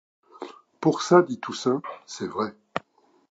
Pour ça, dit Toussaint, c'est vrai.